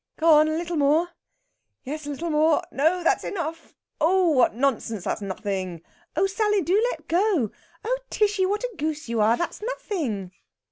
"Go on a little more yes, a little more.... No, that's enough!... Oh, what nonsense! that's nothing!... Oh, Sally, do let go!... Oh, Tishy, what a goose you are! That's nothing....